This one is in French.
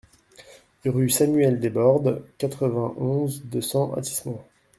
Rue Samuel Debordes, quatre-vingt-onze, deux cents Athis-Mons